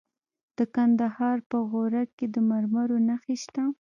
د کندهار په غورک کې د مرمرو نښې شته.